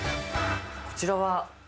こちらは？